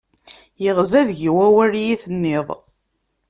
Yeɣza deg-i wawal iyi-tenniḍ.